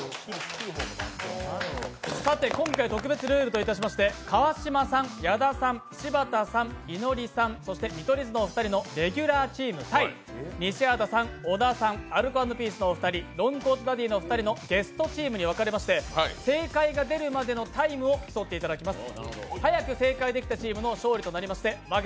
今回、特別ルールとしまして川島さん、矢田さん、柴田さん、いのりさん、そして見取り図のお二人のレギュラーチーム対、西畑さん、小田さん、アルコ＆ピースのお二人、ロングコートダディのお二人のゲストチームに分かれまして正解が出るまでのタイムを競っていただきます。